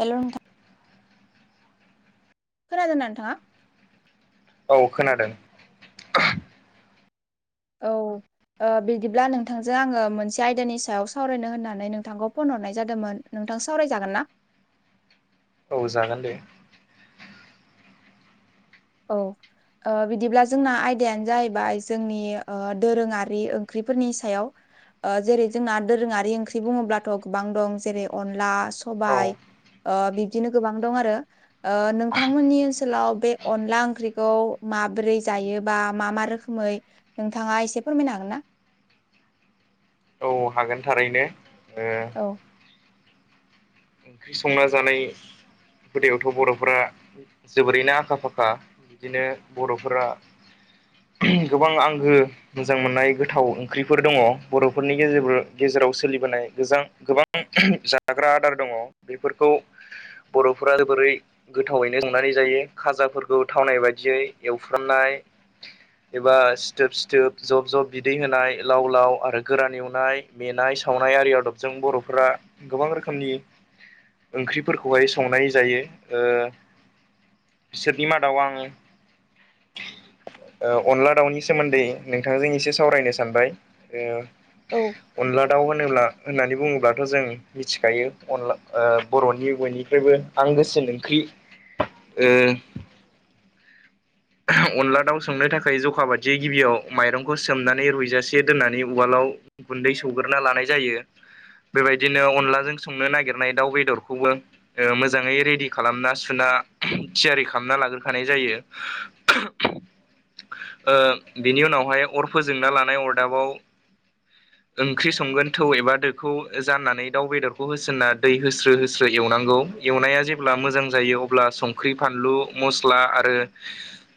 हेल' नोंथां। खोनादों ना नोंथाङा? औ खोनादों। औ। ओ बिदिब्ला नोंथांजों आङो मोनसे आयदानि सायाव सावरायनो होननानै नोंथांखौ फन हरनाय जादोमोन। नोंथां सावरायजागोन ना? औ जागोन दे। औ। ओ बिदिब्ला जोंना आयदायानो जाहैबाय जोंनि दोरोङारि ओंख्रिफोरनि सायाव। ओ जेरै जोंना दोरोङारि ओंख्रि बुङोब्लाथ' गोबां दं जेरै अनला औ सबाय ओ बिब्दिनो गोबां दं आरो नोंथांमोननि ओनसोलाव बे अनला ओंख्रिखौ माबोरै जायोबा मा मा रोखोमै नोंथाङा एसे फोरमायनो हागोन ना? औ हागोन थारैनो ओ औ ओंख्रि संना जानाय हुदायावथ' बर'फोरा जोबोरैनो आखा फाखा बिदिनो बर'फोरा गोबां आंगो मोजां मोननाय गोथाव ओंख्रिफोर दङ बर'फोरनि गेजेर गेजेराव सोलिबोनाय गोजां गोबां जाग्रा आदार दङ बेफोरखौ बर'फोरा जोबोरै गोथावैनो संनानै जायो खाजाफोरखौ थावनाय बायदियै एवफ्रामनाय एबा सिथोब सिथोब जब जब बिदै होनाय लाव लाव आरो गोरान एवनाय मेनाय सावनाय आरि आदबजों बर'फोरा गोबां रोखोमनि ओंख्रिफोरखौहाय संनानै जायो ओ बिसोरनि मादाव आङो ओ अनला दाउनि सोमोन्दै नोंथांजों एसे सावरायनो सानबाय ओ औ अनला दाउ होनोब्ला होननानै बुङोब्लाथ' जों मिथिखायो अनला ओ बर'नि बयनिफ्रायबो आंगोसिन ओंख्रि ओ अनला दाउ संनो थाखाय जखा बादियै गिबियाव माइरंखौ सोमनानै रुइजासे दोननानै उवालाव गुन्दै सौग्रोना लानाय जायो। बेबायदिनो अनलाजों संनो नागिरनाय दाउ बेदरखौबो ओ मोजाङै रेडि खालामना सुना थियारि खालामना लाग्रोखानाय जायो। ओ बिनि उनावहाय अर फोजोंना लानाय अरदाबाव [inaudible] ओंख्रि संगोन थौ एबा दोखौ जाननानै दाउ बेदरखौ होसोनन्ना दै होस्रो होस्रो एवनांगौ। एवनाया जेब्ला मोजां जायो अब्ला संख्रि फानलु मस्ला आरो [inaudible]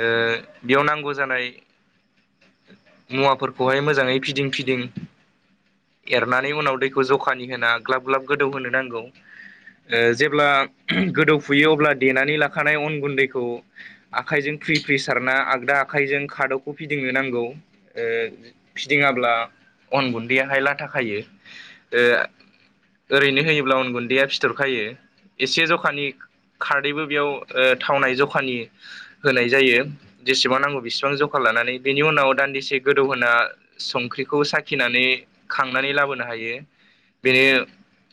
ओ बेयाव नांगौ जानाय मुवाफोरखौहाय मोजाङै फिदिं फिदिं एरनानै उनाव दैखौ जखानि होना ग्लाब ग्लाब गोदौ होनो नांगौ। ओ जेब्ला गोदौफुयो अब्ला देनानै लाखानाय अन गुन्दैखौ आखायजों फ्रि फ्रि सारना आगदा आखाइजों खादौखौ फिदिंनो नांगौ ओ फिदिङाब्ला अन गुन्दैयाहाय लाथा खायो ओ ओरैनो होयोब्ला उन गुन्दैया फिथरखायो। एसे जखानि खारदैबो बेयाव ओ थावनाय जखानि होनाय जायो। जेसेबां नांगौ बेसेबां जखा लानानै बेनि उनाव दान्दिसे गोदौ होना संख्रिखौ साखिनानै खांनानै लाबोनो हायो बेयो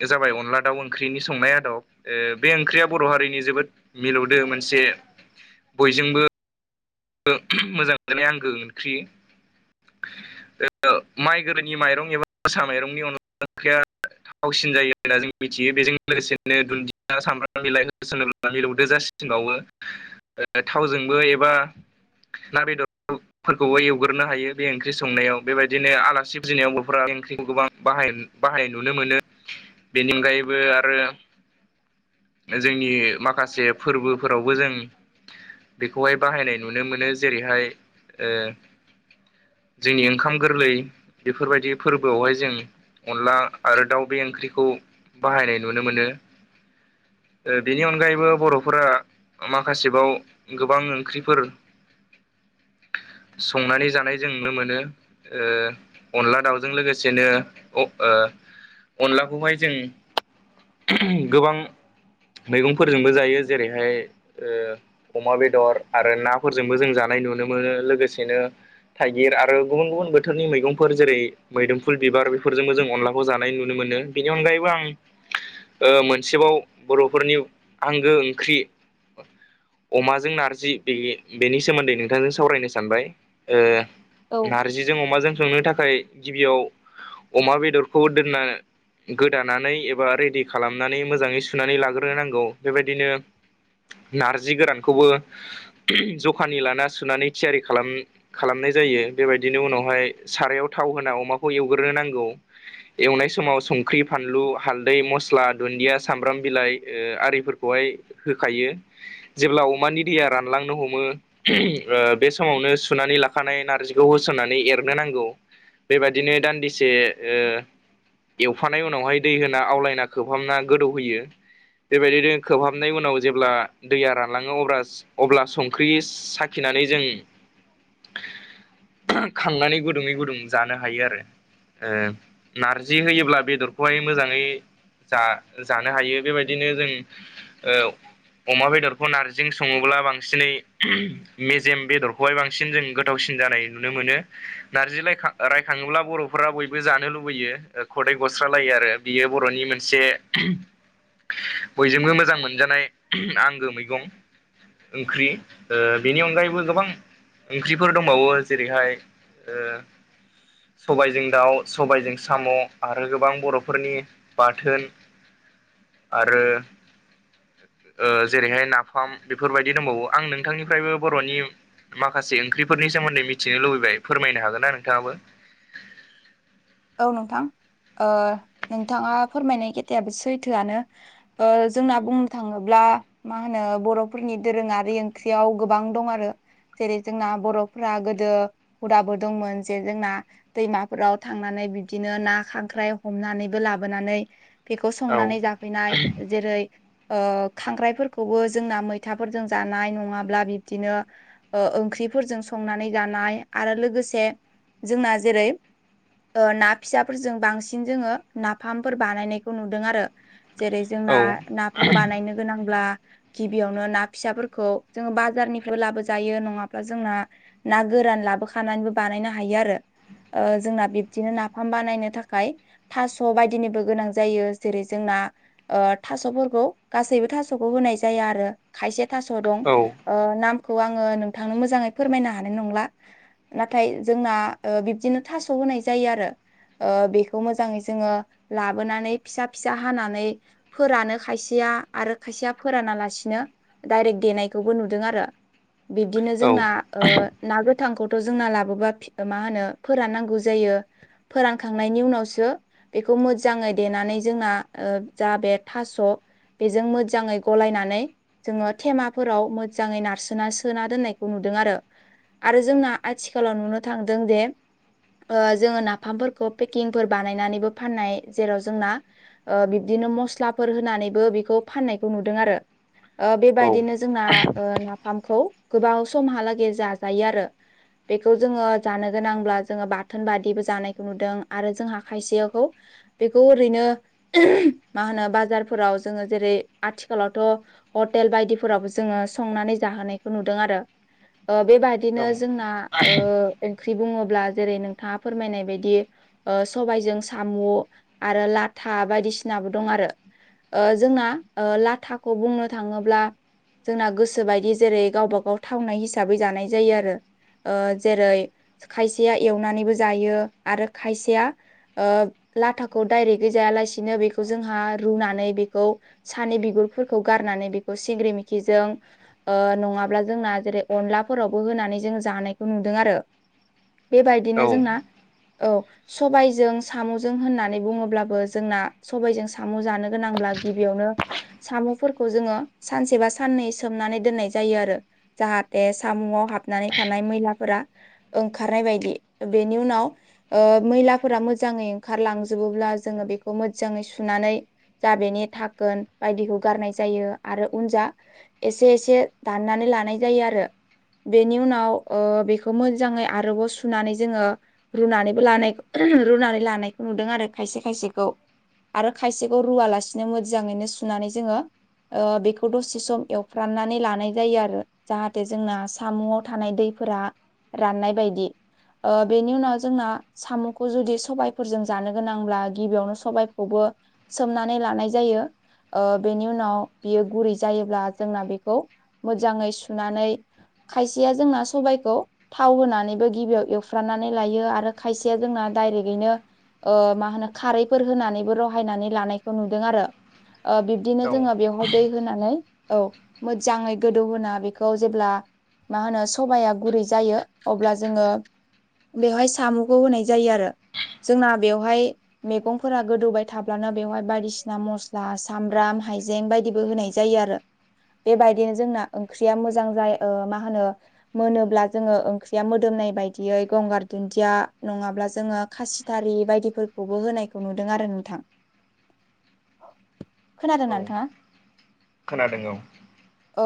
जाबाय अनला दाउ ओंख्रिनि संनाय आदब ओ बे ओंख्रिया बर' हारिनि जोबोद मिलौदो मोनसे बयजोंबो मोजां मोनजानाय आंगो ओंख्रि [inaudible] ओ माइ गोदोनि माइरं एबा मोसा माइरंनि [unintelligible] थावसिन जायो होनना जों मिथियो बेजों लोगोसेनो दुन्दिया सामब्राम बिलाइ होसोन मिलौदो जासिनबावो। [unintelligible] थावजोंबो एबा ना बेदर फोरखौबो एवग्रोनो हायो बे ओंख्रि संनायाव बेबायदिनो आलासि फुजिनायाव बर'फोरा बे ओंख्रिखौ गोबां बाहाय बाहाय नुनो मोनो। [unintelligible] बेनि अनगायैबो आरो जोंनि माखासे फोरबोफोरावबो जों बेखौहाय बाहायनाय नुनो मोनो जेरैहाय ओ जोंनि ओंखाम गोरलै बेफोरबायदि फोरबोआवहाय जों अनला आरो दाउ बे ओंख्रिखौ बाहायनाय नुनो मोनो। ओ बेनि अनगायैबो बर'फोरा माखासेबाव गोबां ओंख्रिफोर संनानै जानाय जों नुनो मोनो। ओ अनला दाउजों लोगोसेनो ओ अनलाखौहाय जों गोबां मैगंफोरजोंबो जायो जेरैहाय ओ अमा बेदर आरो ना फोरजोंबो जों जानाय नुनो मोनो लोगोसेनो थाइगिर आरो गुबुन गुबुन बोथोरनि मैगंफोर जेरै मैदोमफुल बिबार बेफोरजोंबो जों अनलाखौ जानाय नुनो मोनो बेनि अनगायैबो आं ओ मोनसेबाव बर'फोरनि आंगो ओंख्रि अमाजों नारजि बेयो बेनि सोमोन्दै नोंथांजों सावरायनो सानबाय औ नार्जिजों अमाजों संनो थाखाय थाखाय गिबियाव अमा बेदरखौ दोनना गोदानानै एबा रेडि खालामनानै मोजाङै सुनानै लाग्रोनांगौ बेबायदिनो। नारजि गोरानखौबो जखानि लाना सुनानै थियारि खालाम खालामनाय जायो बेबायदिनो उनावहाय सारायाव थाव होना अमाखौ एवगोरनो नांगौ एवनाय समाव संख्रि फानलु हाल्दै मस्ला दुन्दिया सामब्राम बिलाइ ओ आरिफोरखौहाय होखायो जेब्ला अमानि दैया रानलांनो हमो ओ बे समावनो सुनानै लाखानाय नारजिखौ होसननानै एरनो नांगौ बेबादिनो दान्दिसे ओ एवफानाय उनावहाय दै होना आवलायना खोबहाबना गोदौहोयो बेबायदिनो खोबहाबनाय उनाव जेब्ला दैया रानलाङो अब्ला अब्ला संख्रि साखिनानै जों खांनानै गुदुङै गुदुं जानो हायो आरो। ओ नारजि होयोब्ला बेदरखौहाय मोजाङै जा जानो हायो बेबायदिनो जों ओ अमा बेदरखौ नारजिजों सङोब्ला बांसिनै मेजेम बेदरखौहाय बांसिन जों गोथावसिन जानाय नुनो मोनो नारजिलाय रायखाङोब्ला बर'फोरा बयबो जानो लुबैयो खदै गस्रालायो आरो बियो बर'नि मोनसे बयजोंबो मोजां मोनजानाय आंगो मैगं ओंख्रि ओ बेनि अनगायैबो गोबां ओंख्रिफोर दंबावो जेरैहाय ओ सबायजों दाउ सबायजों साम' आरो गोबां बर'फोरनि बाथोन आरो ओ जेरैहाय नाफाम बेफोरबायदि दंबावो आं नोंथांनिफ्रायबो बर'नि माखासे ओंख्रिफोरनि सोमोन्दै मिथिनो लुबैबाय फोरमायनो हागोन ना नोंथाङाबो औ नोंथां ओ नोंथाङा फोरमायनाय खोथायाबो सैथोआनो ओ जोंना बुंनो थाङोब्ला मा होनो बर'फोरनि दोरोङारि ओंख्रियाव गोबां दं आरो जेरै जोंना बर'फोरा गोदो हुदाबो दंमोन जे जोंना दैमाफोराव थांनानै बिदिनो ना खांख्राय हमनानै लाबोनानै बेखौ औ संनानै जा फैनाय जेरै ओ खांख्राइफोरखौबो जोंना मैथाफोरजों जानाय नङाब्ला बिब्दिनो ओ ओंख्रिफोरजों संनानै जानाय आरो लोगोसे जोंना जेरै ओ ना फिसाफोरजों बांसिन जोङो नाफामफोर बानायनायखौ नुदों आरो जेरै जोंना औ नाफाम बानायनो गोनांब्ला गिबियावनो ना फिसाफोरखौ जोङो बाजारनिफ्रायबो लाबोजायो नङाब्ला जोंना ना गोरान लाबोखानानैबो बानायनो हायो आरो ओ जोंना बिबदिनो नाफाम बानायनो थाखाय थास' बायदिनिबो गोनां जायो जेरै जोंना ओ थास'फोरखौ गासैबो थास'खौ होनाय जाया आरो खायसे थास' दं औ ओ नामखौ आङो नोंथांनो मोजाङै फोरमायनो हानाय नंला नाथाय जोंना ओ बिब्दिनो थास' होनाय जायो आरो ओ बेखौ मोजाङै जोङो लाबोनानै फिसा फिसा हानानै फोरानो खायसेया आरो खायसेया फोरानालासिनो डाइरेक्ट देनायखौबो नुदों आरो बिब्दिनो औ जोंना ओ ना गोथांखौथ' जोंना लाबोबा मा होनो फोराननांगौ जायो फोरानखांनायनि उनावसो बेखौ मोजाङै देनानै जोंना ओ जा बे थास' बेजों मोजाङै गलायनानै जोङो थेमाफोराव मोजाङै नारसोना सोना दोननायखौ नुदों आरो आरो जोंना आथिखालाव नुनो थांदों जे ओ जोङो नाफामफोरखौ पेकिंफोर बानायनानैबो फाननाय जेराव जोंना ओ बिब्दिनो मस्लाफोर होनानैबो बेखौ फाननायखौ नुदों आरो ओ औ बेबायदिनो जोंना ओ नाफामखौ गोबाव समहालागै जाजायो आरो बेखौ जोङो जानो गोनांब्ला जोङो बाथोन बादि दि बो जानायखौ नुदों आरो जोंहा खायसेखौ बेखौ ओरैनो मा होनो बाजारफोराव जोङो जेरै आथिखालावथ' हटेल बायदिफोरावबो जोङो संनानै जाहोनायखौ नुदों आरो ओ बेबायदि बिदिनो औ जोंना ओंख्रि बुङोब्ला जेरै नोंथाङा फोरमायनाय बायदि ओ सबायजों साम' आरो लाथा बायदिसिनाबो दं आरो ओ जोंना लाथाखौ बुंनो थाङोब्ला जोंना गोसो बायदि जेरै गावबा गाव थावनाय हिसाबै जानाय जायो आरो ओ जेरै खायसेया एवनानैबो जायो आरो खायसेया ओ लाथाखौ डायरेक्टयै जायालासिनो बेखौ जोंहा रुनानै बेखौ सानै बिगुरफोरखौ गारनानै बेखौ सिंग्रि मिखिजों ओ नङाब्ला जोंना जेरै अनलाफोरावबो होनानै जों जानायखौ नुदों आरो बेबायदिनो औ जोंना औ सबायजों साम'जों होननानै बुङोब्लाबो जोंना सबायजों साम' जानो गोनांब्ला गिबियावनो साम'फोरखौ जोङो सानसे बा साननै सोमनानै दोननाय जायो आरो जाहाथे सामुआव हाबनानै थानाय मैलाफोरा ओंखारनाय बायदि बेनि उनाव मैलाफोरा मोजाङै ओंखारलांजोबोब्ला जोङो बेखौ मोजाङै सुनानै दा बेनि थाखोन बायदिखौ गारनाय जायो आरो उन जा एसे एसे दाननानै लानाय जायो आरो बेनि उनाव बेखौ मोजाङै आरोबाव सुनानै जोङो रुनानैबो लानाय रुनानै लानायखौ नुदों आरो खायसे खायसेखौ आरो खायसेखौ रुवालासिनो मोजाङैनो सुनानै जोङो बेखौ दसे सम एवफ्राननानै लानाय जायो आरो जाहाथे जोंना सामुआव थानाय दैफोरा राननाय बायदि बेनि उनाव जोंना साम'खौ जुदि सबायफोरजों जानो गोनांब्ला गिबियावनो सबायखौबो सोमनानै लानाय जायो बेनि उनाव बियो गुरै जायोब्ला जोंना बेखौ मोजाङै सुनानै खायसेया जोंना सबायाइखौ थाव होनानैबो गिबियाव एव सुफ्रानानै लायो आरो खायसेया जोंना दडाइरेक्टैनो मा होनो खारैफोर होनानैबो रहायनानै लानायखौ नुदों आरो बिदिनो औ जोङो बेवहाय दै होनानै औ मोजाङै गोदौहोना बेखौ जेब्ला मा होनो सबाया गुरै जायो अब्ला जोङो बेवहाय साम'खौ होनाय जायो आरो जोंना बेवहाय मैगंफोरा गोदौबाय थाब्लानो बेवहाय बायदिसिना मस्ला सामब्राम हाइजें बायदिबो होनाय ज जायो आरो बेबायदिनो जोंना ओंख्रिया मोजां जायो मा होनो मोनोब्ला जोङो ओंख्रिया मोदोमनाय बायदि बिदियै गंगार दुन्दिया नङाब्ला जोङो खासिथारि बायदिफोरखौबो होनायखौ नुदों आरो नोंथां औ खोनादोंना नोंथाङा खोनादों औ औ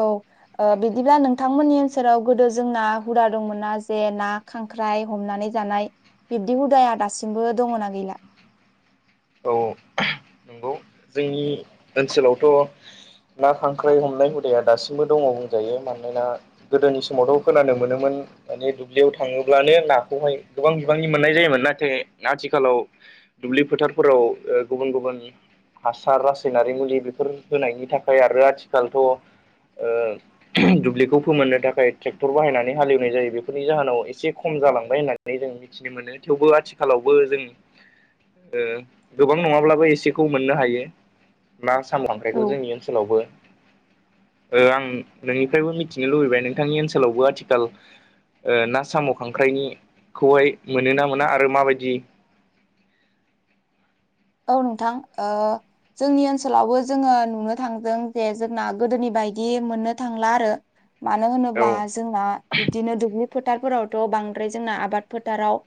बिदिब्ला नोंथांमोननि ओनसोराव गोदो जोंना हुदा दंमोन नना जे ना खांख्राइ हमनानै जानाय बिब्दि हुदाया दासिमबो दङ नना गैला औ नंगौ जोंनि ओनसोलावथ' ना खांख्राइ हमनाय हुदाया दासिमबो दङ बुंजायो मानोना गोदोनि समावथ' खोनानो मोनोमोन मानिे दुब्लियाव थाङोब्लानो नाखौहाय गोबां बिबांनि मोननाय जायोमोन नाथाय आथिखालाव दुब्लि फोथारफोराव गुबुन गुबुन हासार रासायनारि मुलि बेफोर होनायनि थाखाय आरो आथिखालथ' दुब्लिखौ फोमोननो थाखाय ट्रेक्टर बाहायनानै हालेवनाय जायो बेफोरनि जाहोनाव एसे खम जालांबाय होननानै जों मि मिथिनो मोनो थेवबो आथिखालावबो जों गोबां नङाब्लाबो एसेखौ मोननो हायो ना साम' औ खांख्राइखौ जोंनि ओनसोलावबो आं नोंनिफ्रायबो मिथिनो लुबैबाय नोंथांनि ओनसोलावबो आथिखाल ना साम' खांख्राइनिखौहाय मोनो ना मोना आरो माबायदि औ नोंथां ओ जोंनि ओनसोलावबो जोङो नुनो थांदों जे जोंना गोदोनि बायदि मोननो थांला आरो मानो औ होनोब्ला जोंना बिबदिनो दुब्लि फोथारफोरावथ' बांद्राय जोंना आबाद फोथाराव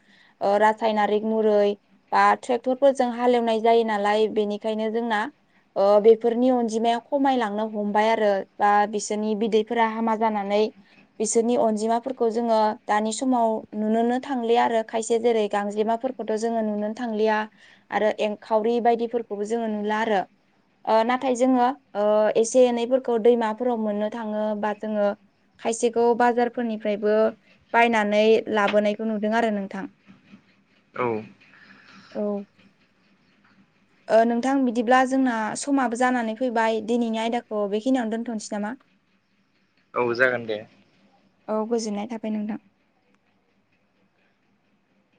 रासायनारिक मुरै बा ट्रेक्टरफोरजों हालेवनाय जायो नालाय बेनिखायनो जोंना बेफोरनि अनजिमाया खमायलांनो हमबाय आरो बा बिसोरनि बिदैफोरा हामा जानानै बिसोरनि अनजिमाफोरखौ जोङो दानि समाव नुनोनो थांलि आरो खायसे जेरै गांज्लेमाफोरखौ खौथ' जोङो नुनो थांलिया आरो एंखावरि बायदिफोरखौबो जोङो नुला आरो नाथाय जोङो एसे एनैफोरखौ दैमाफोराव मोननो थाङो बा जोङो खायसेखौ बाजारफोरनिफ्रायबो बायनानै लाबोनायखौ नुदों आरो नोंथां। [unintelligible] औ औ ओ नोंथां बिदिब्ला जोंना समाबो जानानै फैबाय दिनैनि आयदाखौ बेखिनियावनो दोनथ'नोसै नामा? [inaudible] औ जागोन दे। औ गोजोननाय थाबाय नोंथां।